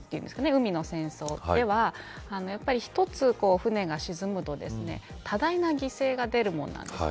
海の戦争では１つ船が沈むと多大な犠牲が出るものなんです。